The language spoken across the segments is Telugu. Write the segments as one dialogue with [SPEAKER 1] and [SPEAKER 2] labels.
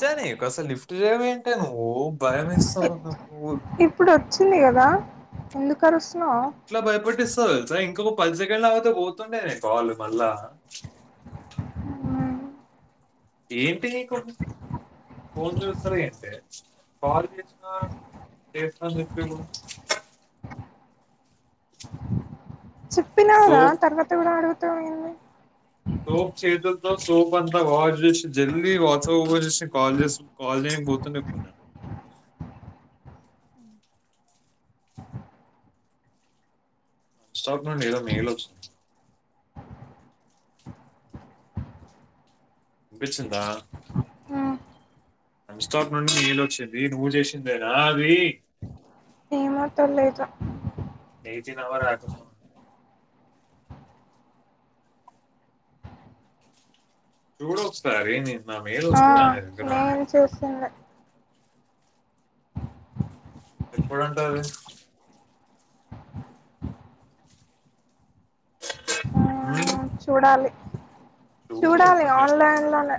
[SPEAKER 1] సారె కసల్ లిఫ్ట్ చెయ్యవ్ ఏంటే నువ్వు భయం ఎస్తావ్ గాధ కూల్
[SPEAKER 2] చ్చింది కదా ఎందుక్
[SPEAKER 1] ఎట్లా భయపట్టిస్ ట్లా తెల్సా ఇంకొక పది సెకండ్లు ఆగుతే పోతుండేనే కాల్ మళ్ళా ఎం పీకు ఫోన్ చూసిన ఏంటే కాల్ చేసిన చేస్తన్ చెప్పిలు
[SPEAKER 2] చెప్పినకదా
[SPEAKER 1] సోప్
[SPEAKER 2] తర్వాత కూడా అడుగుతావ్ ఏంది
[SPEAKER 1] న ఫోన్ అంతా బా యూస్ జెల్ది వాట్సాప్ ఓపెన్ చేసి కాల్ చేసు కాల్ చేయనిక్ పోతుండే ఇపుడు నెన్ స్టాక్ నుండి ఏదో మెయిల్ ఒచ్చింది ఇన్పిచింద ఏంస్టిక్ నుండి మెయిల్ ఒచ్చింది నువ్వు చేసిందేనా అది
[SPEAKER 2] ఏమో తెలీదు
[SPEAKER 1] ఎయిటిన్ అవర్ రకాల ఫోన్ ఉండే చూడూ ఒకసారి నిన్
[SPEAKER 2] ఆ నేను చూసిందే
[SPEAKER 1] ఎప్పుడు అంట అది ఉ
[SPEAKER 2] చూడాలి చూడాలి
[SPEAKER 1] ఓపెన్ చేసింది
[SPEAKER 2] ఆన్లైన్ లోనే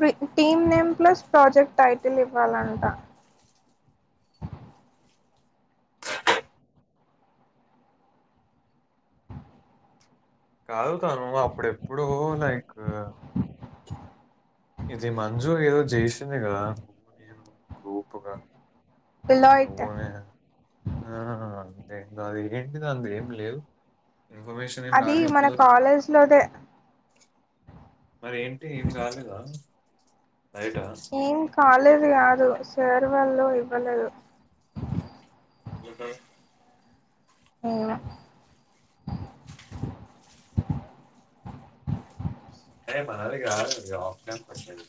[SPEAKER 2] టి team name plus project title ఇవ్వాలంట
[SPEAKER 1] కాదు తాను అప్పుడు ఎప్పుడో నైక్ ఇది మంజు ఏదో జెసింది కదా నువ్వు నేను గ్రూపుగా
[SPEAKER 2] పోలయట్
[SPEAKER 1] ఆ అంతే దది ఏంటిది అందులా ఏమ్ లేదు ఇన్ఫర్మేషన్
[SPEAKER 2] అది మన కాలేజ్ లోదే
[SPEAKER 1] మరీ ఏంటి ఏం కాలేదా బయట
[SPEAKER 2] ఏం కాలేజ్ కాదు సార్ వాళ్లు ఇవ్వలేదు
[SPEAKER 1] [unintelligible]
[SPEAKER 2] ఏమో
[SPEAKER 1] అరె మనది కాదు అది ఆఫ్లైన్ క్యూస్షన్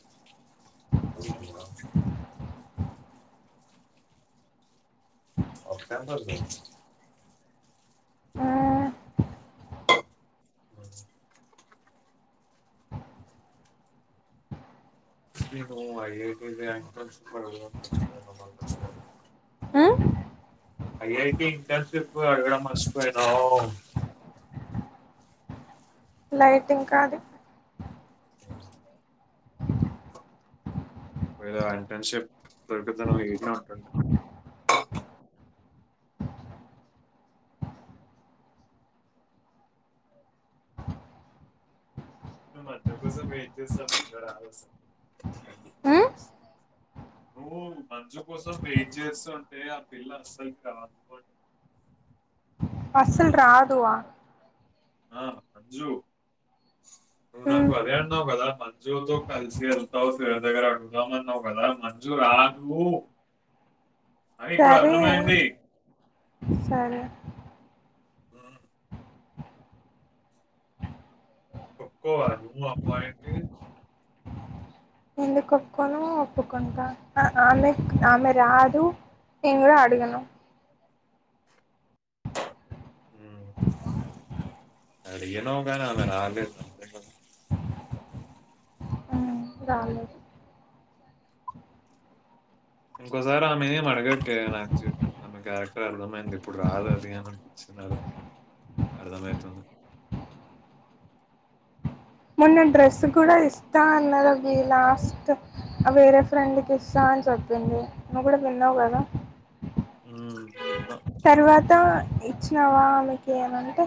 [SPEAKER 1] అది ఇది కాదు ఒకట పదా
[SPEAKER 2] ఊ
[SPEAKER 1] [inaudible] మ్ [unintelligible] ఐఐటి ఇంటర్న్షిప్ అడగడం మర్చిపోయినవ్
[SPEAKER 2] లైట్ ఇంకా అది
[SPEAKER 1] విల ఇంటెన్షిప్ పియర్గతున రీసన్ ఉంటుండే మంజు కోసం వెయిట్ చేస్తున్న నువ్వు మంజు కోసం వెయిట్ చేస్తు ఉంటే ఆ పిల్ల అస్సలుకి రాదు అంటున్నా
[SPEAKER 2] ఆస్సలు రాదు అ
[SPEAKER 1] ఆ అంజు నువ్
[SPEAKER 2] ఉమ్
[SPEAKER 1] నాకు అదే అనవ్ కదా అంజూతో కలిసి వెళ్తావు సరదగా అడుగుదాంఅన్న కదా మంజు రాదు అని ఇప్పుడు
[SPEAKER 2] సరే
[SPEAKER 1] అర్థమైంది
[SPEAKER 2] సరే
[SPEAKER 1] ఆ ఒప్పుకోవ నువ్వు ఆ పాయింట్
[SPEAKER 2] ఎందుకు ఒప్పుకోను ఒప్పుకుంట ఆ ఆమె ఆమె రాదు నేను కూడా ఆడుగను
[SPEAKER 1] ఉమ్ అడిగినం కానీ ఆమె రాలేదు అంతే గా
[SPEAKER 2] రాలేదు
[SPEAKER 1] ఇంకోసారి ఆమె ఏం అడగక్కె ఎనాచ్ ఆమె క్యారెక్టర్ అర్దమైందిప్పుడు రాదు అది అనచ్ తున్నారు అర్దమైతుంది.
[SPEAKER 2] మొన్న డ్రెస్సు కూడా ఇస్తా అన్నదబ్బి లాస్ట్ వేరే ఫ్రెండ్కిస్సా చెప్పింది నువ్వు గుడా విన్నావ్ గదా
[SPEAKER 1] ఉమ్
[SPEAKER 2] తరువాత ఇచ్చవా ఆమెకియమంటె.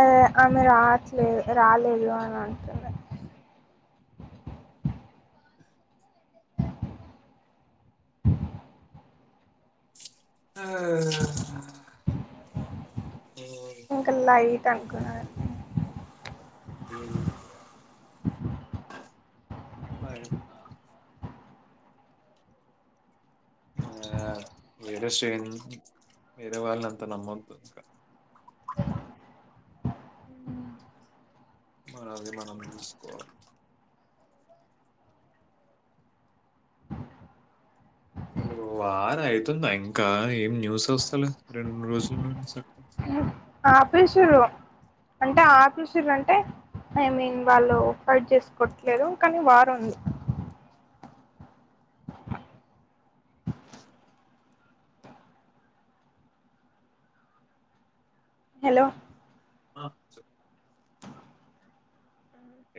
[SPEAKER 2] ఆ ఆమె రాట్లేదు రాలేదు అని అంటుంది.
[SPEAKER 1] ఆ.
[SPEAKER 2] ఇంక లైటనుకున్న నేను.
[SPEAKER 1] ఉమ్. [unintelligible] ఆ వేరే స్ట్రేన్ వేరే వాళ్ళనంత నమ్మొద్దు ఇంక. మనది మనం జూస్కోవాలి. అసలు వారైతుంద ఇంకా ఏం న్యూసొస్తలేద్ రెండ్ రోజుల్ నుండి సక్కగ.
[SPEAKER 2] అపేషిర్రు అంటే ఆపెషిర్రంటె ఐ మీన్ వాళ్ళు ఫైట్ జేస్కోట్లేరు కాని వారుంది. హెలొ.
[SPEAKER 1] అ చెప్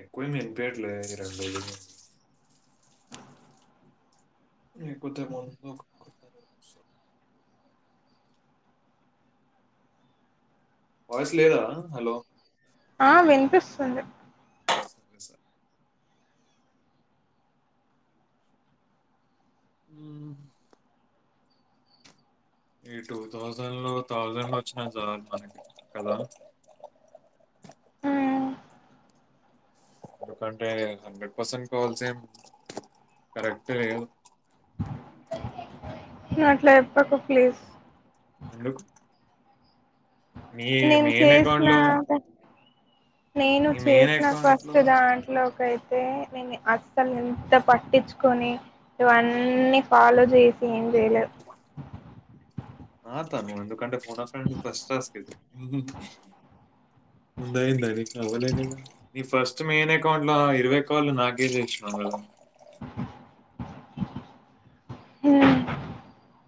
[SPEAKER 1] ఎక్కవేం విన్పియట్లేద్ రెండ్రోజుల్ నుంచి నీక్ కొంచెం [unintelligible] వాయ్స్ లేదా హలొ
[SPEAKER 2] ఆ విన్పిస్తుంది.
[SPEAKER 1] [unintelligible] ఊమ్. ఈ టూథౌజండ్ లో థౌజండ్ ఒచ్చిన జాల్ మనకి కద. ఎందుకంటే హండ్రెడ్ పర్సెంట్ కాల్సేమ్ కరెక్ట్గ ఏం
[SPEAKER 2] నువ్వట్ల జెప్పకు ప్లీస్.
[SPEAKER 1] ఎందుకు. నీ
[SPEAKER 2] నేన్
[SPEAKER 1] మెయిన్ అకౌంట్
[SPEAKER 2] చేస్నా
[SPEAKER 1] లో
[SPEAKER 2] [unintelligible] నేను
[SPEAKER 1] నీ మెయిన్
[SPEAKER 2] చేసిన
[SPEAKER 1] అకౌంట్ లో
[SPEAKER 2] ఫస్ట్ దాంట్లో కై తే నేని అస్సల్ ఎంత పట్టిచ్చ్కొని ఇవ్వన్నీ ఫాలో జేసి జెయ్లేవ్.
[SPEAKER 1] ఆ తను ఎందుకంటె ఫోటాస్ నుండి ఫస్టాస్కిది. ముందైదు [unintelligible] లేకుండ ని ఫస్ట్ మెయ్నకౌంట్ ల ఇరవై కాల్లు నాకే జేశ్నవ్. [unintelligible]
[SPEAKER 2] ఊమ్.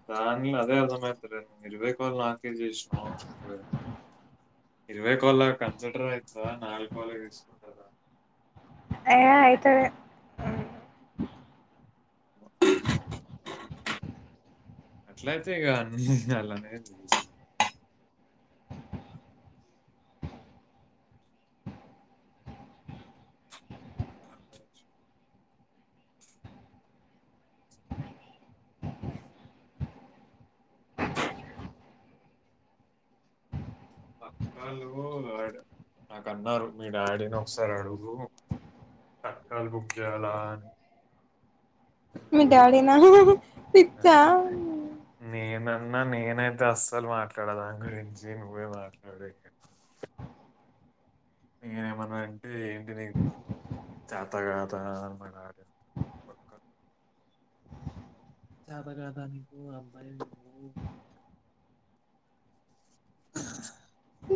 [SPEAKER 1] దాన్ల అదే అర్థమైతలేద్ ఇరవై కాల్ల్ నాకే జేశ్నవ్. [unintelligible] ఇరవై కాల్లాగ కన్సిడ్రైతదా నాలుగ్ కాల్లె తీసుకుంటర.
[SPEAKER 2] ఏ అయ్తది.
[SPEAKER 1] అట్లైతె ఇగ అన్ని అలానే తీస్ తెలుసు. పక్కాలు యాడ్ నాకన్నారు మీ డాడీని ఒక్సారడుగు తత్కాల్ బుక్ జేయాలా అని.
[SPEAKER 2] మీ డాడీనా
[SPEAKER 1] నేన అన్న నేనైతే అస్సలు మాట్లాడ దాని గురించి నువ్వే మాట్లాడు నేనేమన్నా అంటే ఏంటి నీకు చేతకాదా పక్క. చాతకాదనీకు అబ్బాయ్ నువ్వు.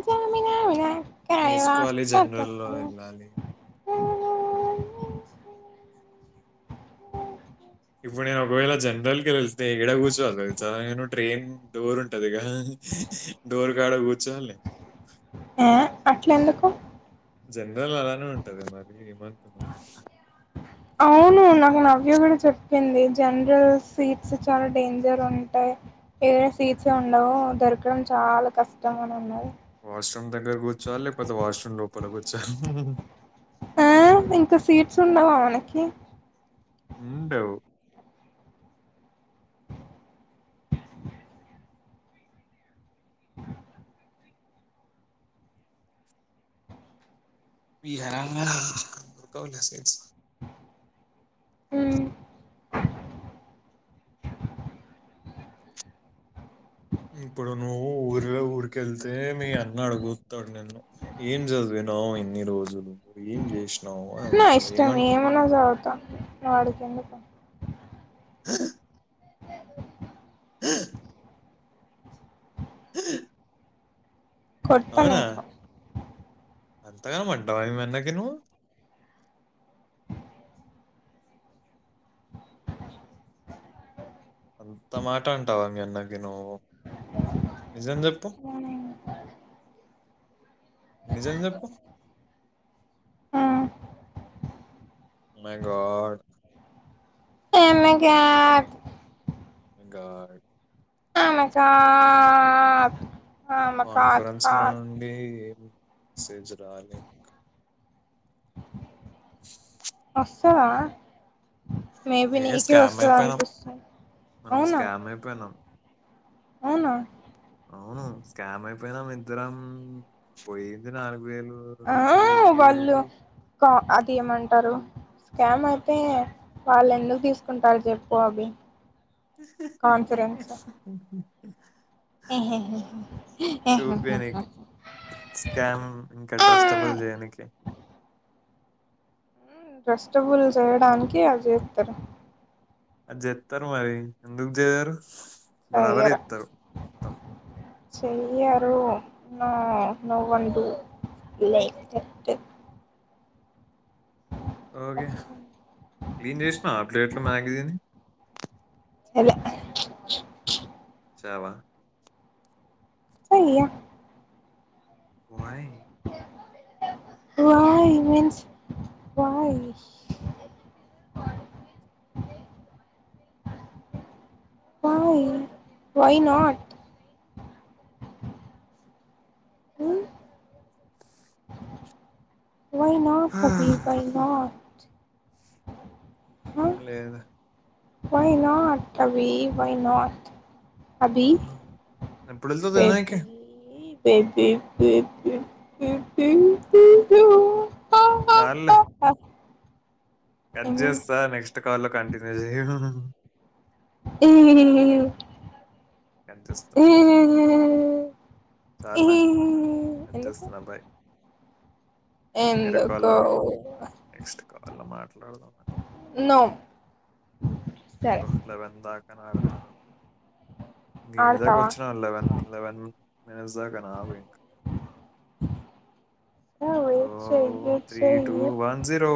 [SPEAKER 2] జామినా వినా కాయవా
[SPEAKER 1] నేస్కోవాలి జన్రల్లొ
[SPEAKER 2] కట్టకయా
[SPEAKER 1] వెళ్ళాలి. ఇప్పుడు నేన్ ఒగ్వేళ జనరల్కెళ్తె ఏడ గుస్సోవాల్ దెల్సా నేను ట్రెయ్న్ డోరుంటది గద డోర్ కాడా కూర్చోవాలి
[SPEAKER 2] ఏ అట్లెందుకు
[SPEAKER 1] జెనరల్లో అలానే ఉంటది కద మరి ఏమనుకున్నావ్
[SPEAKER 2] అవును నాకు నవ్య కూడా చెప్పింది జనరల్ సీట్స్ చాలా డేంజర్ ఉంటాయి ఏడ సీట్సే ఉండవూ దొరకడం చాలా కష్టం అని అన్నది
[SPEAKER 1] వాష్రూమ్ దగ్గర కూర్చోవలి లేకపోతే వాష్రూమ్ లోపల కూర్చోవాలి
[SPEAKER 2] ఆ ఇంకా సీట్స్ ఉండవా మనకి
[SPEAKER 1] ఉండవ్ [unintelligible]
[SPEAKER 2] మ్,
[SPEAKER 1] ఇప్పుడు నువ్వు ఊరులో ఊరికెళ్తే మీ అన్న అడుగుతడు నిన్ను ఏం చదివ రావు ఎన్ని రోజులు ఏం చేశ్నవ్
[SPEAKER 2] నా ఇష్టం ఏమన్నా సదువుత వాడికెందుకు
[SPEAKER 1] అవునా?
[SPEAKER 2] కొడ్తనింకా
[SPEAKER 1] అంతగనం అంటవ మీ అన్నకి నువ్ అంత మాట అంటవ మీ అన్నకి నువ్వు నిజం చెప్పు నిజం చెప్పు ఓ మై గాడ్
[SPEAKER 2] [unintelligible]
[SPEAKER 1] గా
[SPEAKER 2] ఓహ్ మై గాడ్
[SPEAKER 1] కాన్ఫరెన్స్ నుండి ఏం మెసేజ్ రాలే ఇంకా
[SPEAKER 2] ఒస్తదా మేబి
[SPEAKER 1] ఏ
[SPEAKER 2] నీకే
[SPEAKER 1] స్కామ్
[SPEAKER 2] ఒస్తది
[SPEAKER 1] అయిపోయినాం
[SPEAKER 2] అనిపిస్తుంది
[SPEAKER 1] మనం
[SPEAKER 2] అవునా
[SPEAKER 1] స్కామ్ అయిపోయినాం
[SPEAKER 2] అవునా
[SPEAKER 1] అవును స్కామ్ అయిపోయినం ఇద్దరం పోయింది నాలుగు వేలు
[SPEAKER 2] ఆ
[SPEAKER 1] అయ్యో అయ్యో
[SPEAKER 2] వాళ్ళు కా ఆ అది ఏమంటారు స్కామ్ అయితే వాళ్ళు ఎందుకు తీసుకుంటారు చెప్పు అవి హి హి హెయి
[SPEAKER 1] చూపేనికి స్కామ్ ఇంకా ట్రస్టబుల్ జెయనికి
[SPEAKER 2] ట్రస్టబుల్ చేయడానికి అజేస్తరు
[SPEAKER 1] అది చేత్తరు మరి ఎందుకు చేయరు బరాబర్ చేత్తరు మొత్తం
[SPEAKER 2] చెయ్యరూ నా నువ్వండి లే
[SPEAKER 1] ఓకే క్లీన్ చేసినవా ప్లేట్లు మ్యాగీ తిని
[SPEAKER 2] చేయలే
[SPEAKER 1] చెయ్వ.
[SPEAKER 2] చెయ్య.
[SPEAKER 1] వై.
[SPEAKER 2] Why means why. ఆయ్ వైనాట్. వై నాట్ అభి వై నాట్
[SPEAKER 1] లేదూ
[SPEAKER 2] వై నాట్ అభి వై నాట్ అభి
[SPEAKER 1] ఎప్పుడు వెళ్తుంది
[SPEAKER 2] ఏబ్బీ
[SPEAKER 1] తినడానికి
[SPEAKER 2] బేబీ బేబీ ఇ ఓ హ
[SPEAKER 1] చాల్లె. కడ్ జేస్తా నెక్స్ట్ కాల్లొ కంటిన్యూ జెయ్యు.
[SPEAKER 2] ఎందుకు
[SPEAKER 1] కడ్ జెస్త. చాల్ నాకు కడ్జేస్తున బాయ్. వేరే కాల్లో
[SPEAKER 2] ఎందుకోవ్.
[SPEAKER 1] ట్లాడ్దామని.
[SPEAKER 2] సరే
[SPEAKER 1] ఘొ లెవెన్ దాకనాడ్తాను. గీడి
[SPEAKER 2] ఆడతావా
[SPEAKER 1] దాకోచ్చిన లెవెన్ లెవెన్ ఎనజ్దాకనబొయ్క్.
[SPEAKER 2] సరే
[SPEAKER 1] గోవ్
[SPEAKER 2] చెయ్యి
[SPEAKER 1] త్రీ టూ
[SPEAKER 2] చెయ్యి
[SPEAKER 1] వన్ జీరో.